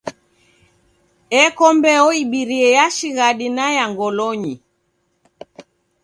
Eko mbeo ibirie ya shighadi na ya ngolonyi.